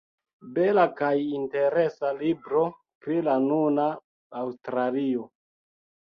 Bela kaj interesa libro pri la nuna Aŭstralio.